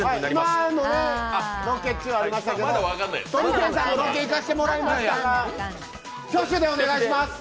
挙手でお願いします。